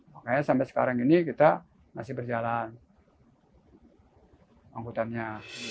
makanya sampai sekarang ini kita masih berjalan angkutannya